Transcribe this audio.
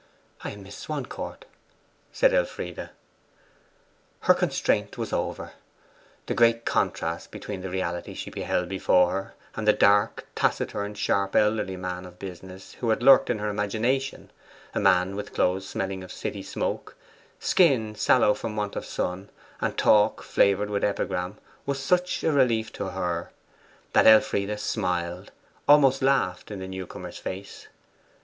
'I am Miss Swancourt,' said Elfride. Her constraint was over. The great contrast between the reality she beheld before her, and the dark, taciturn, sharp, elderly man of business who had lurked in her imagination a man with clothes smelling of city smoke, skin sallow from want of sun, and talk flavoured with epigram was such a relief to her that Elfride smiled, almost laughed, in the new comer's face.